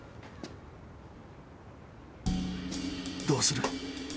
どうする？